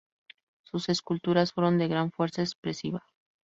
Sus esculturas fueron de gran fuerza expresiva.